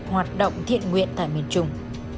hoạt động thiện nguyện tại miền trung